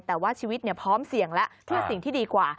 แต่ว่าชีวิตพร้อมเสี่ยงแล้วเพื่อสิ่งที่ดีกว่า